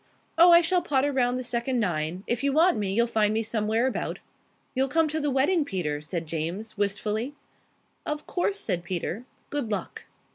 Oh, I shall potter round the second nine. If you want me, you'll find me somewhere about." "You'll come to the wedding, Peter?" said James, wistfully. "Of course," said Peter. "Good luck."